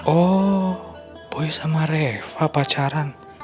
oh boy sama reva pacaran